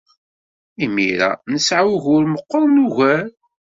Imir-a, nesɛa ugur meɣɣren ugar.